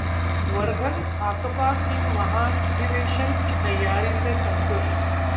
वर्धन भाकपा के महाधिवेशन की तैयारी से संतुष्ट